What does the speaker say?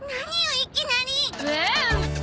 いきなり。